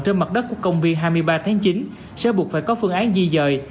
trên mặt đất của công viên hai mươi ba tháng chín sẽ buộc phải có phương án di dời